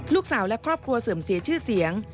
ลูกสาวและครอบครัวเสื่อมเสียชื่อเสียง